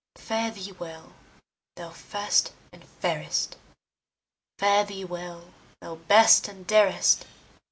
Fare thee well, thou first and fairest! Fare thee well, thou best and dearest!